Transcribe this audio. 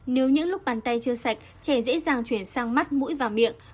nếu những lúc bàn tay chưa sạch trẻ dễ dàng chuyển sang mắt mũi và miệng